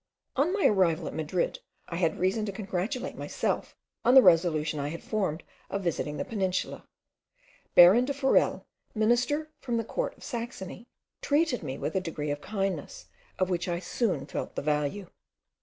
On my arrival at Madrid I had reason to congratulate myself on the resolution I had formed of visiting the Peninsula. Baron de Forell, minister from the court of Saxony, treated me with a degree of kindness, of which I soon felt the value.